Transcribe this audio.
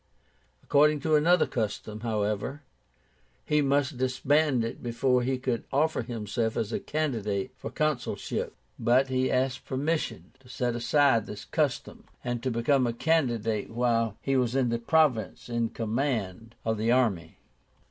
According to another custom, however, he must disband it before he could offer himself as a candidate for the consulship. But he asked permission to set aside this custom, and to become a candidate while he was in the province in command of the army.